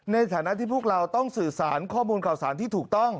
ในฐานะที่พวกเราต้องสื่อสารข้อมูลข่าวสารที่ถูกต้อง